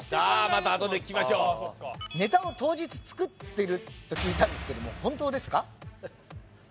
またあとで聞きましょうネタを当日作ってると聞いたんですけども本当ですか？